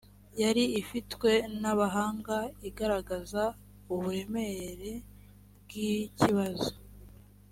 yari ifitwe n’abahanga igaragaza uburemere bw ikibazo